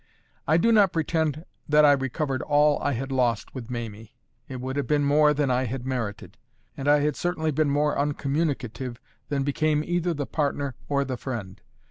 I do not pretend that I recovered all I had lost with Mamie; it would have been more than I had merited; and I had certainly been more uncommunicative than became either the partner or the friend.